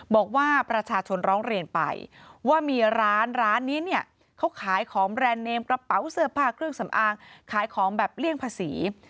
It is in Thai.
บอกว่าประชาชนร้องเรียนไปว่ามีร้านร้านนี้เนี่ยเขาขายของแบรนด์เนมกระเป๋าเสื้อผ้าเครื่องสำอางขายของแบบเลี่ยงภาษี